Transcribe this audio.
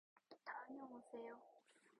다녀오세요!